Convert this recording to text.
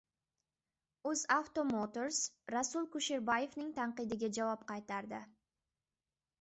UzAuto Motors Rasul Kusherbayevning tanqidiga javob qaytardi